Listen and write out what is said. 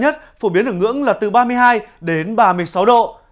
nhiệt độ cao nhất phổ biến ở ngưỡng là từ ba mươi hai đến ba mươi sáu độ